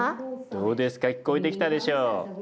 どうですか聞こえてきたでしょう。